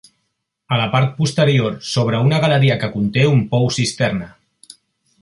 A la part posterior sobre una galeria que conté un pou-cisterna.